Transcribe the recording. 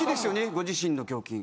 ご自身の胸筋。